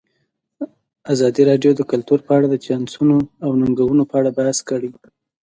ازادي راډیو د کلتور په اړه د چانسونو او ننګونو په اړه بحث کړی.